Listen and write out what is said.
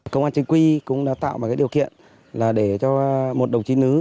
công an trình quy cũng đã tạo một cái điều kiện là để cho một đồng chí nữ